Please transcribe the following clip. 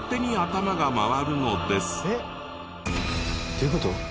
どういう事？